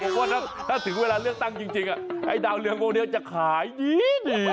เฮ้ยเอาหมดว่าถ้าถึงเวลาเลือกตั้งจริงไอ้ดาวเรืองโมงนี้จะขายอีกจริง